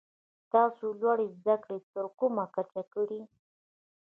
تاسو لوړي زده کړي تر کومه کچه کړي ؟